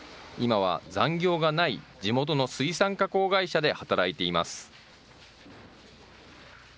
今は残業がない地元の水産加工会社で働いています。